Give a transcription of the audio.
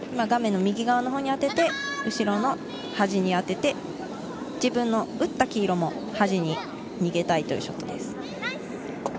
画面右側のほうに当てて、後ろのはじにも当てて自分の打った黄色も端に逃げたいというショットです。